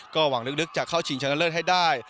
ก็หวังลึกจะเข้าชิงชนะเลิศให้ได้